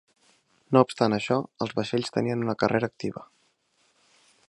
No obstant això, els vaixells tenien una carrera activa.